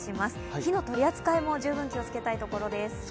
火の取り扱いも十分気をつけたいところです。